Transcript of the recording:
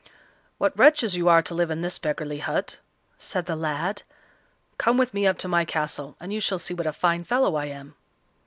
"What wretches you are to live in this beggarly hut," said the lad. "Come with me up to my castle, and you shall see what a fine fellow I am."